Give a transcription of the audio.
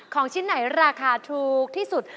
ของชิ้นไหนราคาถูกที่สุด